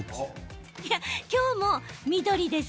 今日も緑です。